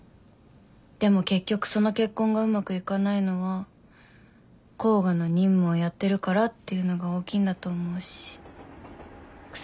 でも結局その結婚がうまくいかないのは甲賀の任務をやってるからっていうのが大きいんだと思うし。